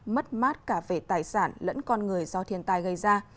mất mát cả về tài sản lẫn con người do thiên tai gây ra